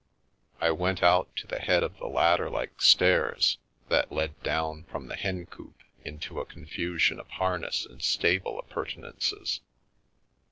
I went out to the head of the ladder like stairs ..^ The Rape of the Lock that led down from the Hencoop into a confusion of harness and stable appurtenances.